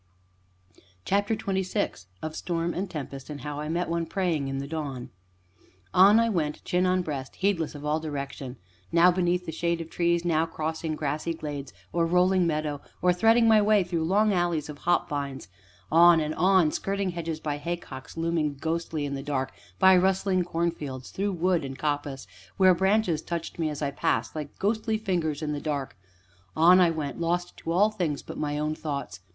CHAPTER XXVI OF STORM, AND TEMPEST, AND HOW I MET ONE PRAYING IN THE DAWN On I went, chin on breast, heedless of all direction now beneath the shade of trees, now crossing grassy glades or rolling meadow, or threading my way through long alleys of hop vines; on and on, skirting hedges, by haycocks looming ghostly in the dark, by rustling cornfields, through wood and coppice, where branches touched me, as I passed, like ghostly fingers in the dark; on I went, lost to all things but my own thoughts.